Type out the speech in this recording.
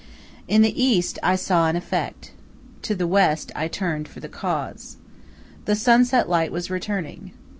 In the east I saw an effect. To the west I turned for the cause. The sunset light was returning.